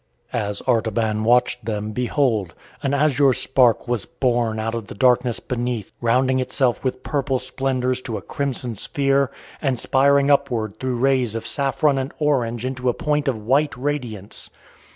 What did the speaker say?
As Artaban watched them, behold, an azure spark was born out of the darkness beneath, rounding itself with purple splendours to a crimson sphere, and spiring upward through rays of saffron and orange into a point of white radiance.